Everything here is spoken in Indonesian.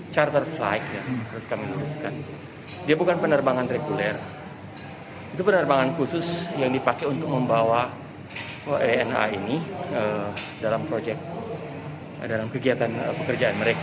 sekitar dua puluhan yang kita ambil nanti bisa ketambahan juga besok